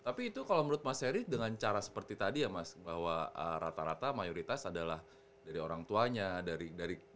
tapi itu kalau menurut mas eri dengan cara seperti tadi ya mas bahwa rata rata mayoritas adalah dari orang tuanya dari kantong pribadi perempuan gitu ya